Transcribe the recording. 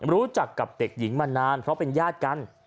รู้จักกับเด็กหญิงมานานเพราะเป็นญาติกัน